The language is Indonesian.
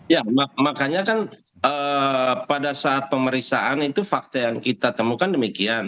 ya makanya kan pada saat pemeriksaan itu fakta yang kita temukan demikian